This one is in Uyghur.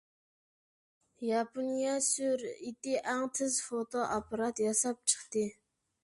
ياپونىيە سۈرئىتى ئەڭ تېز فوتو ئاپپارات ياساپ چىقتى.